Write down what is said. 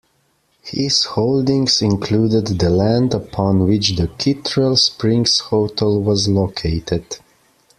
His holdings included the land upon which the Kittrell Springs Hotel was located.